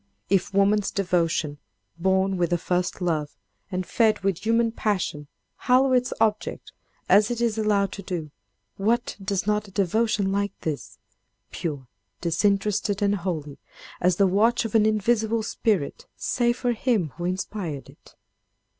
If woman's devotion, born with a first love, and fed with human passion, hallow its object, as it is allowed to do, what does not a devotion like this—pure, disinterested and holy as the watch of an invisible spirit—say for him who inspired it?